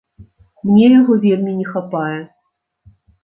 Мне яго вельмі не хапае.